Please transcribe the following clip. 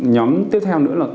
nhóm tiếp theo nữa